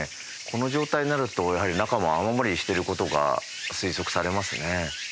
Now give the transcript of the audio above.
この状態になるとやはり中も雨漏りしてる事が推測されますね。